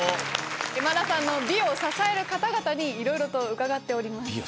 今田さんの美を支える方々にいろいろと伺っております。